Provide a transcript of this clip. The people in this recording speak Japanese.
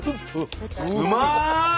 うまい！